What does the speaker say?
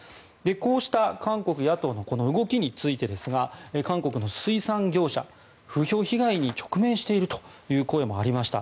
こうした韓国野党の動きについてですが韓国の水産業者風評被害に直面しているという声もありました。